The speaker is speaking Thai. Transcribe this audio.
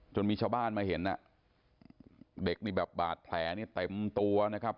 มีชาวบ้านมาเห็นอ่ะเด็กนี่แบบบาดแผลนี่เต็มตัวนะครับ